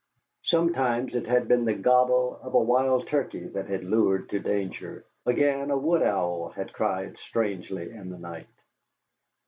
Sometimes it had been the gobble of a wild turkey that had lured to danger, again a wood owl had cried strangely in the night.